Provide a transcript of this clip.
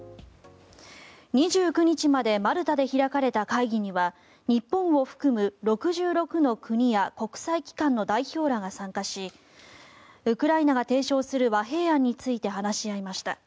２９日までマルタで開かれた会議には日本を含む６６の国や国際機関の代表らが参加しウクライナが提唱する和平案について話し合いました。